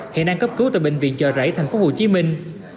hiện đang cấp cứu tại bệnh viện chợ rẫy thành phố hồ chí minh